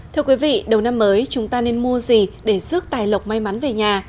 thưa quý vị đầu năm mới chúng ta nên mua gì để rước tài lộc may mắn về nhà